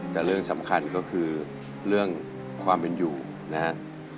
แต่เรื่องสำคัญก็คือเรื่องความเป็นอยู่นะครับ